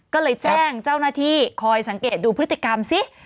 ก็เลยแจ้งเจ้าหน้าที่คอยสังเกตดูพฤติกรรมซิ